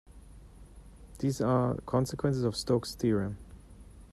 These are consequences of Stokes' theorem.